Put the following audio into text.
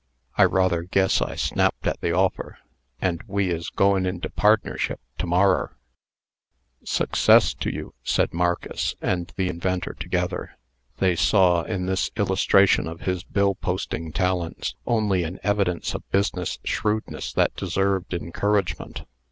I rather guess I snapped at the offer; and we is goin' into pardnership to morrer." "Success to you," said Marcus and the inventor together. They saw, in this illustration of his bill posting talents, only an evidence of business shrewdness that deserved encouragement.